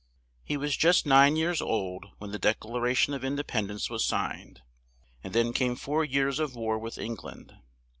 He was just nine years old when the Dec la ra tion of In de pend ence was signed, and then came four years of war with Eng land.